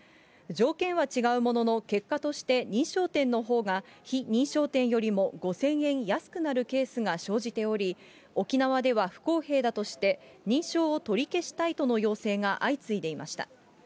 条件は違うものの、結果として、認証店のほうが非認証店よりも５０００円安くなるケースが生じており、沖縄では不公平だとして、認証を取り消したいとの要請が相次いでいました。